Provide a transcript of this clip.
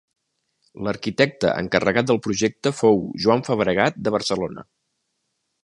L’arquitecte encarregat del projecte fou Joan Fabregat de Barcelona.